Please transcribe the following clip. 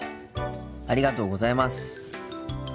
ありがとうございます。